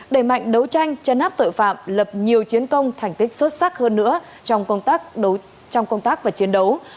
đẩy mạnh đấu tranh chấn áp tội phạm lập nhiều chiến công thành tích xuất sắc hơn nữa trong công tác và chiến đấu